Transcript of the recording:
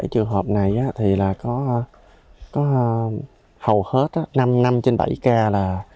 bảy trường hợp này thì có hầu hết năm năm trên bảy ca là